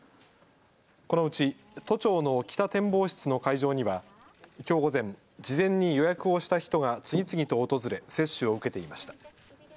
このうち都庁の北展望室の会場にはきょう午前、事前に予約をした人が次々と訪れ接種を受けていました。